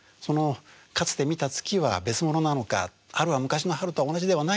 「かつて見た月は別物なのか春は昔の春と同じではないのか。